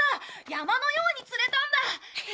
山のように釣れたんだ。